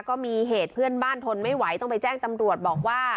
ก็มีเหตุเพื่อนบ้านทนไม่ไหวต้องไปแจ้งตำรวจบอกว่า